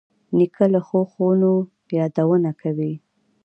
نیکه له ښو ښوونو یادونه کوي.